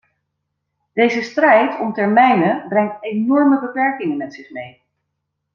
Deze strijd om termijnen brengt enorme beperkingen met zich mee.